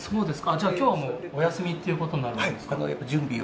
じゃあ、きょうはもう、お休みということになるんですか。